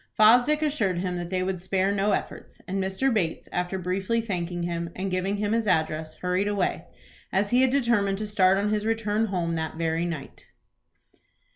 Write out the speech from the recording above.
Fosdick assured him that they would spare no efforts, and Mr. Bates, after briefly thanking him, and giving him his address, hurried away, as he had determined to start on his return home that very night.